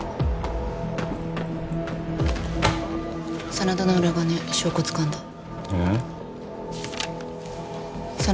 真田の裏金証拠つかんだえっ？